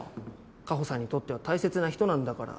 果帆さんにとっては大切な人なんだから。